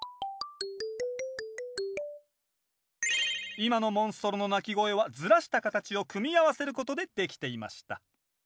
今のモンストロの鳴き声はずらした形を組み合わせることでできていました。